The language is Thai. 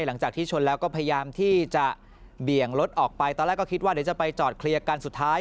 หลังจากที่ชนแล้วก็พยายามที่จะเบี่ยงรถออกไปตอนแรกก็คิดว่าเดี๋ยวจะไปจอดเคลียร์กันสุดท้าย